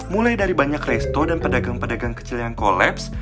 mulai dari banyak resto dan pedagang pedagang kecil yang kolaps